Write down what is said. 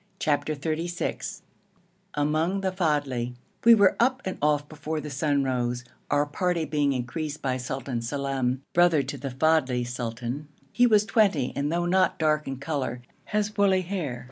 CHAPTER XXXVI AMONG THE FADHLI We were up and off before the sun rose, our party being increased by Sultan Salem, brother to the Fadhli sultan. He was twenty, and though not dark in colour, has woolly hair.